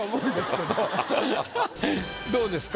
どうですか？